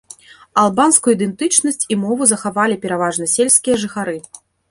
Албанскую ідэнтычнасць і мову захавалі пераважна сельскія жыхары.